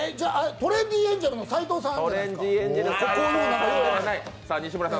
トレンディエンジェルの斎藤さん？